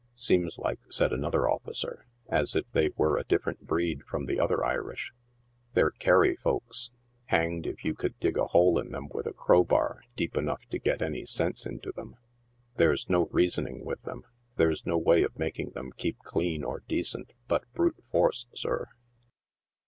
" Seems like," said another officer, " as if they were a different breed from the other Irish ; they're Kerry folks ; hanged if you could dig a hole in them with a crowbar deep enough to get any sense into them ; there's no reasoning with them ; there's no way of making them keep clean or decent but brute force, sir."